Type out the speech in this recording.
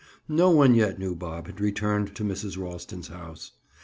No one yet knew Bob had returned to Mrs. Ralston's house.